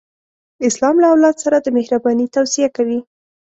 اسلام له اولاد سره د مهرباني توصیه کوي.